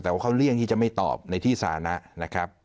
แต่ว่าเขาเลี่ยงที่จะไม่ตอบในที่สานะนะครับ